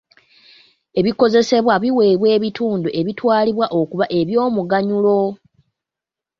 Ebikozesebwa biweebwa ebitundu ebitwalibwa okuba eby'omuganyulo.